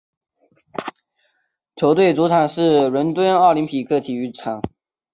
球队主场是伦敦奥林匹克体育场。